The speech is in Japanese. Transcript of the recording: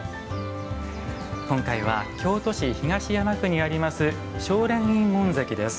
今回は京都市東山区にあります青蓮院門跡。